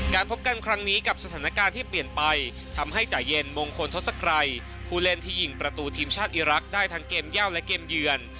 พบกันครั้งนี้กับสถานการณ์ที่เปลี่ยนไปทำให้จ่ายเย็นมงคลทศกรัยผู้เล่นที่ยิงประตูทีมชาติอีรักษ์ได้ทั้งเกมเย่าและเกมเยือน